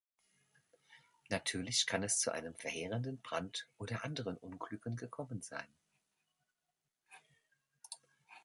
Natürlich kann es zu einem verheerenden Brand oder anderen Unglücken gekommen sein.